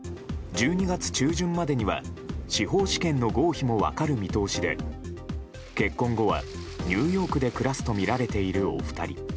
１２月中旬までには司法試験の合否も分かる見通しで結婚後はニューヨークで暮らすとみられている、お二人。